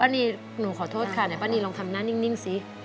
ป้านี่หนูขอโทษค่ะหน่อยป้านี่ลองทำหน้านิ่งซิ